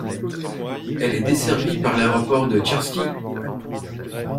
Elle est desservie par l'aéroport de Tcherski.